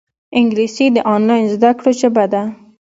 انګلیسي د آنلاین زده کړو ژبه ده